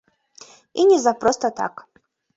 І не за проста так.